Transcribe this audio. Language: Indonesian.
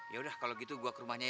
yaudah kalau gitu gue ke rumahnya ya